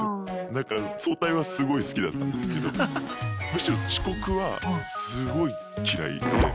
だから早退はすごい好きだったんですけどむしろ遅刻はすごい嫌いで。